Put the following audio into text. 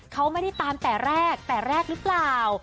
เขาไม่ได้ตามแต่แรกแต่แรกหรือเปล่า